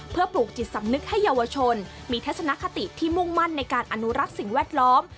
เพื่อปลูกจิตสำนึกให้เยาวชนมีทัศนคติที่มุ่งมั่นในการอนุรักษ์สิ่งแวดล้อม